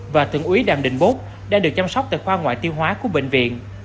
và thượng úy đàm đình bút đã được chăm sóc tại khoa ngoại tiêu hóa của bệnh viện